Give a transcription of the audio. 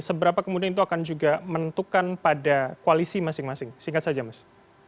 seberapa kemudian itu akan juga menentukan pada koalisi masing masing singkat saja mas